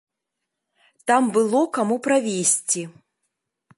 Там было каму правесці.